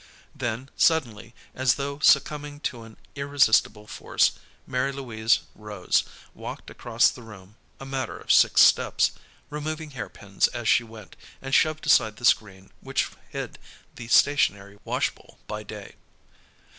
Then, suddenly, as though succumbing to an irresistible force, Mary Louise rose, walked across the room (a matter of six steps), removing hairpins as she went, and shoved aside the screen which hid the stationary wash bowl by day.